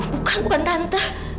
bukan bukan tante